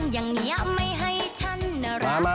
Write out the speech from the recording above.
อย่างเงียบไม่ให้ฉันรัก